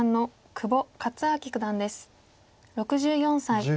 ６４歳。